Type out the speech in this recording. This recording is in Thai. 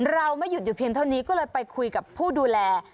ไม่หยุดอยู่เพียงเท่านี้ก็เลยไปคุยกับผู้ดูแล